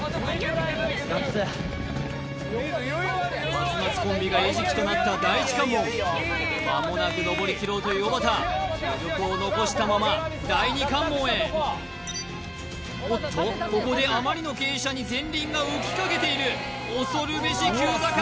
松松コンビが餌食となった第一関門まもなくのぼりきろうというおばた余力を残したまま第二関門へおっとここであまりの傾斜に前輪が浮きかけている恐るべし急坂